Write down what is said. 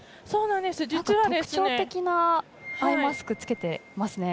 特徴的なアイマスクを着けていますね。